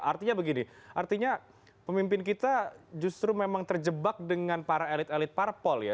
artinya begini artinya pemimpin kita justru memang terjebak dengan para elit elit parpol ya